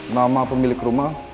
nama pemilik rumah